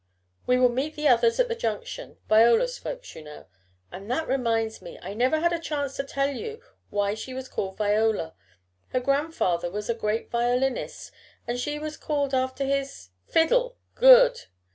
"We will meet the others at the junction Viola's folks, you know. And that reminds me, I never had a chance to tell you why she was called Viola. Her grandfather was a great violinist and she was called after his " "Fiddle! Good!"